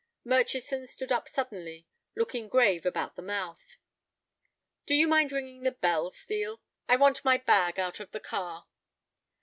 Murchison stood up suddenly, looking grave about the mouth. "Do you mind ringing the bell, Steel? I want my bag out of the car."